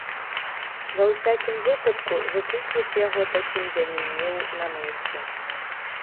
Ва ўсякім выпадку, выпісваць яго такім я не меў на мэце.